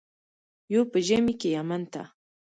یو په ژمي کې یمن ته.